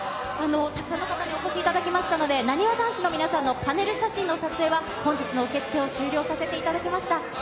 たくさんの方にお越しいただきましたので、なにわ男子の皆さんのパネル写真は本日の受付を終了させていただきました。